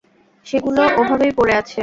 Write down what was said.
সেগুলো ওভাবেই পরে আছে।